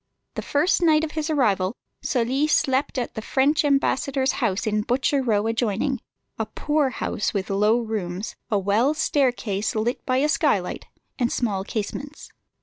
The first night of his arrival Sully slept at the French ambassador's house in Butcher Row adjoining, a poor house with low rooms, a well staircase lit by a skylight, and small casements.